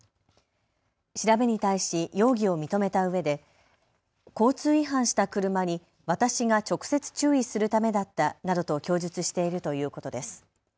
調べに対し容疑を認めたうえで交通違反した車に私が直接、注意するためだったなどと供述しているということです。